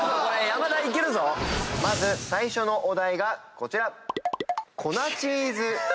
まず最初のお題がこちら。